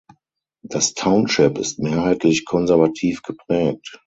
Das Township ist mehrheitlich konservativ geprägt.